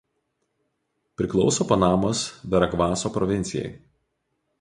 Priklauso Panamos Veragvaso provincijai.